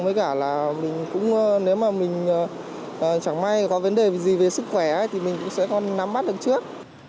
với cả là nếu mà mình chẳng may có vấn đề gì về sức khỏe thì mình cũng sẽ còn nắm bắt được trước